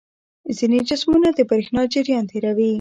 ځینې جسمونه د برېښنا جریان تیروي.